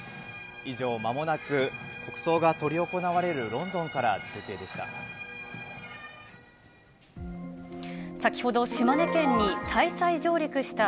以上、まもなく国葬が執り行われるロンドンから中継でした。